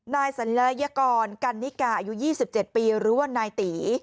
นายสัญญากรกันนิกาอายุ๒๗ปีหรือว่านายตี